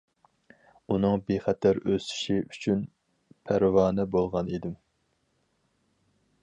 ئۇنىڭ بىخەتەر ئۆسۈشى ئۈچۈن پەرۋانە بولغان ئىدىم.